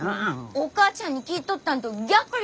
お母ちゃんに聞いとったんと逆や！